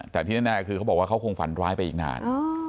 แต่ที่แน่คือเขาบอกว่าเขาคงฝันร้ายไปอีกนาน